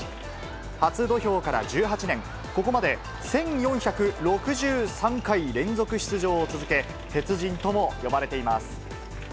初土俵から１８年、ここまで１４６３回連続出場を続け、鉄人とも呼ばれています。